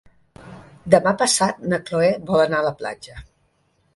Demà passat na Cloè vol anar a la platja.